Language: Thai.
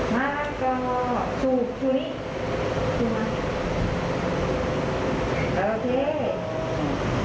บักครับตอนรับทุกวัน